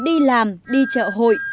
từ đi làm đi trợ hội